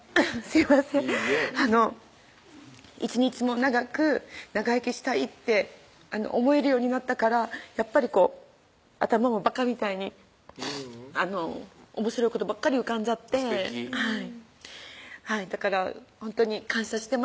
いいえ１日も長く長生きしたいって思えるようになったからやっぱりこう頭もバカみたいにあのおもしろいことばっかり浮かんじゃってすてきだからほんとに感謝してます